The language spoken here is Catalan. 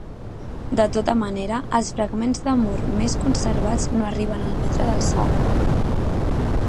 De tota manera, els fragments de mur més conservats no arriben al metre d'alçada.